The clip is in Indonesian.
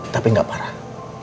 tapi tidak parah